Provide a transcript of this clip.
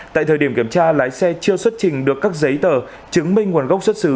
tại thời điểm kiểm tra lái xe chưa xuất trình được các giấy tờ chứng minh nguồn gốc xuất xứ